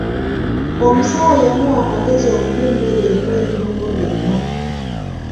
Omusawo yamuwa amagezi okulya emmere erimu ebirungo byonna.